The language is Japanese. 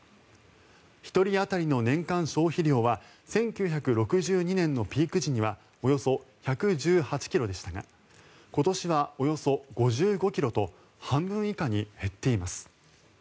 １人当たりの年間消費量は１９６２年のピーク時にはおよそ１１８ｋｇでしたが今年はおよそ５５ｋｇと半分以下に減っています。